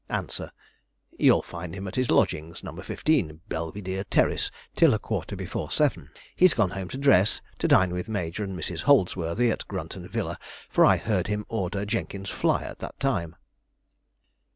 Answer. 'You'll find him at his lodgings, No. 15, Belvidere Terrace, till a quarter before seven. He's gone home to dress, to dine with Major and Mrs. Holdsworthy, at Grunton Villa, for I heard him order Jenkins's fly at that time.'